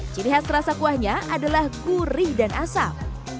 ciri khas rasa kuahnya adalah gurih dan asam